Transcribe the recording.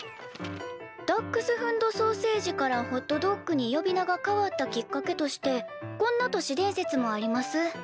ダックスフンド・ソーセージからホットドッグに呼び名が変わったきっかけとしてこんな都市伝説もあります。